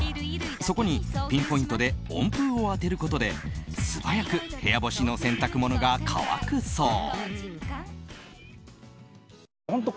そこにピンポイントで温風を当てることで素早く部屋干しの洗濯物が乾くそう。